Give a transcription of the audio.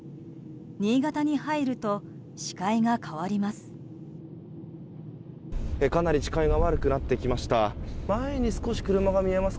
新潟に入ると視界が変わります。